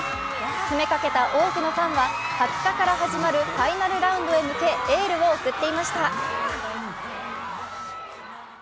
詰めかけた多くのファンは２０日から始まるファイナルラウンドへ向けエールを送っていました。